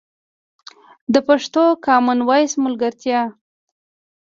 د پښتو کامن وایس ملګرتیا